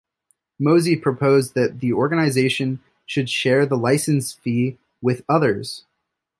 Mosey proposed that the organisation should share the licence fee with others.